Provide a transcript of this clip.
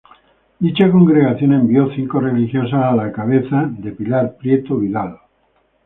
Dicha congregación envió cinco religiosas a la cabeza de Pilar Prieto Vidal.